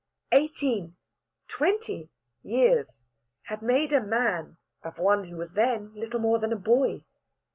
Eighteen twenty years had made a man of one who was then little more than a boy.